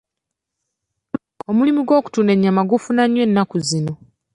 Omulimu gw'okutunda ennyama gufuna nnyo ennaku zino.